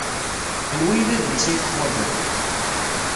Anwa ay d adlis ay teḥwajeḍ?